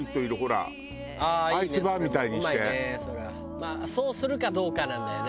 まあそうするかどうかなんだよな。